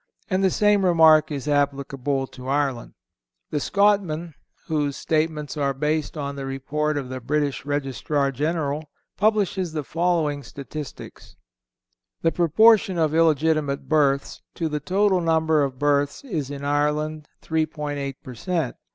And the same remark is applicable to Ireland. The Scotman, whose statements are based on the report of the British Registrar General, publishes the following statistics: "The proportion of illegitimate births to the total number of births is in Ireland 3.8 per cent.